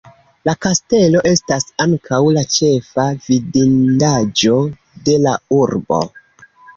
La kastelo estas ankaŭ la ĉefa vidindaĵo de la urbo.